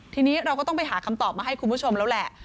ทีนี้เราก็ต้องไปหาคำตอบมาให้คุณผู้ชมแล้วแหละ